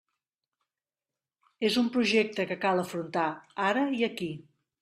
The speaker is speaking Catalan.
És un projecte que cal afrontar ara i aquí.